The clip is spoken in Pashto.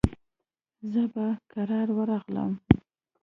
زه به کرار ورغلم.